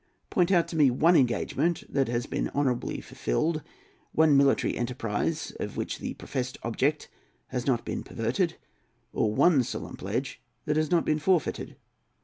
Point out to me one engagement that has been honourably fulfilled, one military enterprise of which the professed object has not been perverted, or one solemn pledge that has not been forfeited.